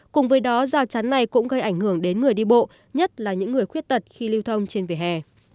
cùng với đó rào chắn này cũng gây ảnh hưởng đến người đi bộ nhất là những người khuyết tật khi lưu thông trên vỉa hè